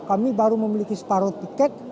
kami baru memiliki separuh tiket